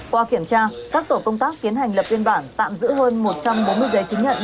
qua kiểm tra các tổ công tác tiến hành lập biên bản tạm giữ hơn một trăm bốn mươi giấy chứng nhận